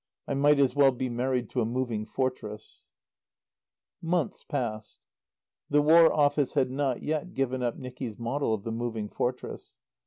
I might as well be married to a Moving Fortress." Months passed. The War Office had not yet given up Nicky's model of the Moving Fortress.